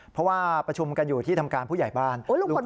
เพราะว่าประชุมกันอยู่ที่ทำการผู้ใหญ่บ้าน